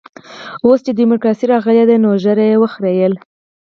اوس چې ډيموکراسي راغلې ده نو ږيره يې وخرېیله.